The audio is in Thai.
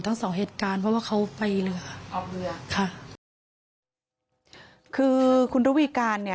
ทั้งสองเหตุการณ์เพราะว่าเขาไปเรือออกเรือค่ะคือคุณระวีการเนี่ย